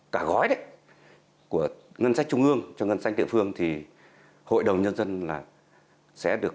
cả gói đấy của ngân sách trung ương cho ngân sách địa phương thì hội đồng nhân dân là sẽ được